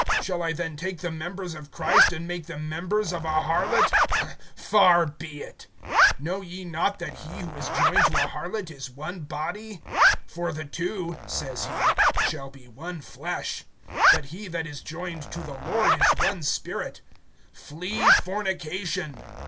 Shall I then take the members of Christ, and make them members of a harlot? Far be it! (16)Know ye not that he who is joined to a harlot is one body? For the two, says he, shall be one flesh. (17)But he that is joined to the Lord is one spirit. (18)Flee fornication.